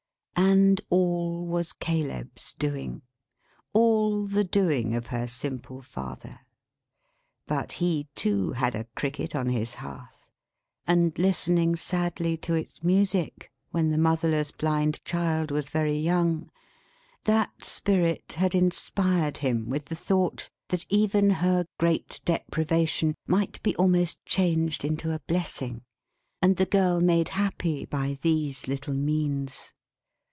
And all was Caleb's doing; all the doing of her simple father! But he too had a Cricket on his Hearth; and listening sadly to its music when the motherless Blind Child was very young, that Spirit had inspired him with the thought that even her great deprivation might be almost changed into a blessing, and the girl made happy by these little means.